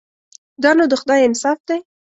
دا نو د خدای انصاف دی.